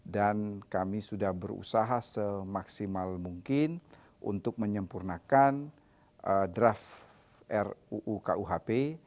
dan kami sudah berusaha semaksimal mungkin untuk menyempurnakan draf ruu kuhp